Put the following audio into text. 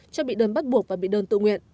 cho bị đơn bắt buộc và bị đơn tự nguyện